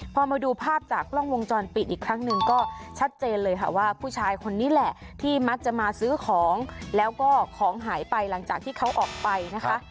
พอมาดูภาพจากกล้องวงจรปิดอีกครั้งหนึ่งก็ชัดเจนเลยค่ะว่าผู้ชายคนนี้แหละที่มักจะมาซื้อของแล้วก็ของหายไปหลังจากที่เขาออกไปนะคะ